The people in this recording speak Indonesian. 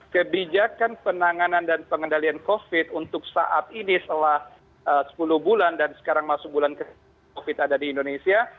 kebijakan penanganan dan pengendalian covid sembilan belas untuk saat ini setelah sepuluh bulan dan sekarang masih bulan covid sembilan belas ada di indonesia